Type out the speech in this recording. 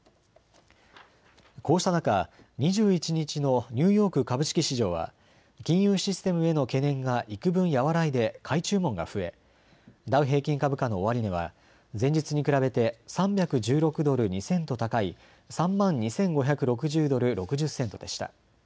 こうした中、２１日のニューヨーク株式市場は金融システムへの懸念がいくぶん和らいで買い注文が増えダウ平均株価の終値は前日に比べて３１６ドル２セント高い３万２５６０ドル６０セントでした。